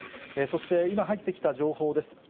そして、今入ってきた情報です。